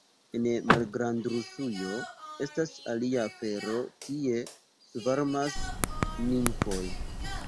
En Malgrandrusujo estas alia afero, tie svarmas nimfoj.